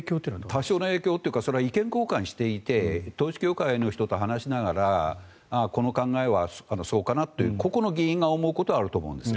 多少の影響というかそれは意見交換していて統一教会の人と話しながらこの考えは、そうかなって個々の議員が思うことはあると思います。